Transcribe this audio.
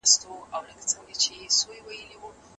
سیاست د ټولنې لپاره ډېر کار کړی دی.